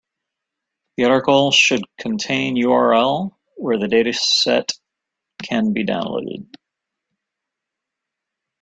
The article should contain URL where the dataset can be downloaded.